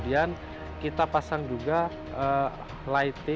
jadi untuk saat ini luminasinya yang terbesar di dunia